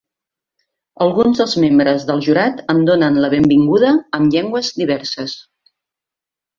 Alguns dels membres del jurat em donen la benvinguda en llengües diverses.